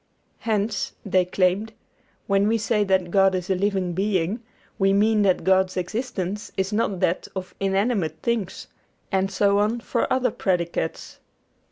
Hence, they claimed, when we say that God is a living being, we mean that God's existence is not that of inanimate things; and so on for other predicates.